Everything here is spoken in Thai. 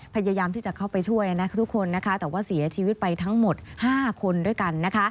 พยายามที่จะเข้าไปช่วยทุกคนนะคะแต่ว่าเสียชีวิตไปทั้งหมด๕คนด้วยกัน